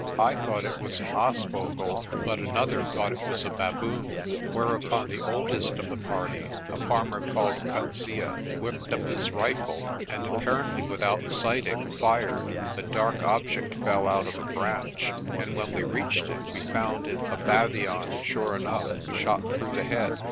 I thought it was an aasvogel, but another thought it was a baboon. Whereupon the oldest of the party, a farmer called Coetzee, whipped up his rifle and, apparently without sighting, fired. A dark object fell out of the branch, and when we reached it we found it a baviaan * sure enough, shot through the head.